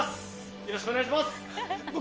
よろしくお願いします。